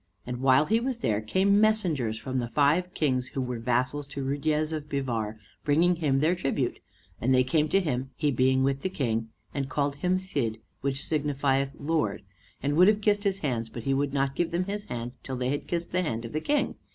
And while he was there came messengers from the five kings who were vassals to Ruydiez of Bivar, bringing him their tribute; and they came to him, he being with the King, and called him Cid, which signifieth lord, and would have kissed his hands, but he would not give them his hand till they had kissed the hand of the King.